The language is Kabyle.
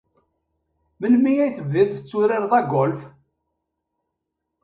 Melmi ay tebdiḍ tetturareḍ agolf?